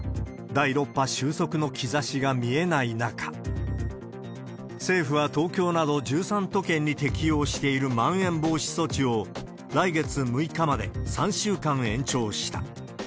第６波収束の兆しが見えない中、政府は東京など１３都県に適用しているまん延防止措置を来月６日まで３週間延長した。